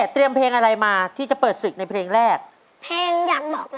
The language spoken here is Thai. เตรียมของลิเกย์เลย